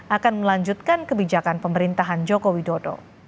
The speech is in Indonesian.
akan melanjutkan kebijakan pemerintahan jokowi dodo